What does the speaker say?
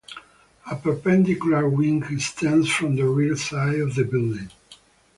A perpendicular wing extends from the rear side of the building.